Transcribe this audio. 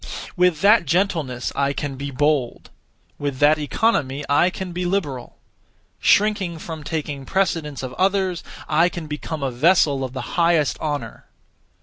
With that gentleness I can be bold; with that economy I can be liberal; shrinking from taking precedence of others, I can become a vessel of the highest honour.